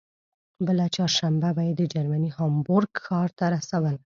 بله چهارشنبه به یې د جرمني هامبورګ ښار ته رسول.